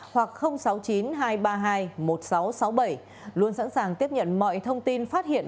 hoặc sáu mươi chín hai trăm ba mươi hai một nghìn sáu trăm sáu mươi bảy luôn sẵn sàng tiếp nhận mọi thông tin phát hiện